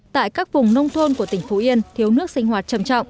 tại các vùng nông thôn của tỉnh phú yên thiếu nước sinh hoạt